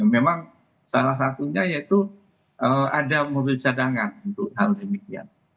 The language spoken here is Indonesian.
memang salah satunya yaitu ada mobil cadangan untuk hal demikian